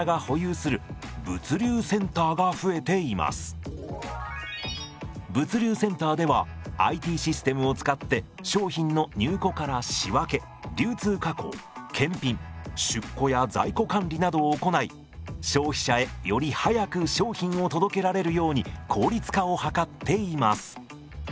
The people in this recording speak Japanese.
近年では物流センターではＩＴシステムを使って商品の入庫から仕分け流通加工検品出庫や在庫管理などを行い消費者へより早く商品を届けられるように効率化を図っています。